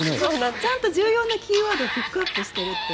ちゃんと重要なキーワードをピックアップしているっていう。